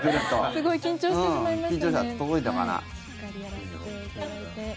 すごい緊張してしまいましたね。